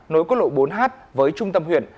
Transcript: nối cốt lộ bốn h với trung tâm huyện